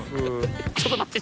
ちょっと待って！